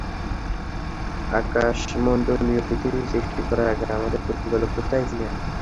আকাশমণ্ডলী ও পৃথিবী সৃষ্টি করার আগে আমাদের প্রতিপালক কোথায় ছিলেন?